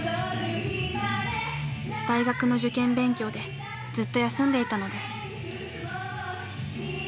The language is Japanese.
大学の受験勉強でずっと休んでいたのです。